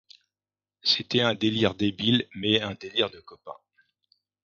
C’était un délire débile mais un délire de copains.